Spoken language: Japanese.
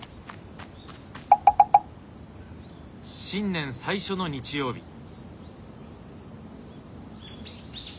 新年最初の日曜日。